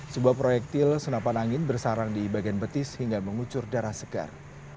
sebuah proyektil senapan angin bersarang di bagian betis hingga mengucur darah segar